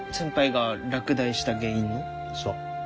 そう。